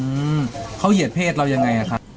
อืมเขาเหยียดเพศเรายังไงอ่ะครับ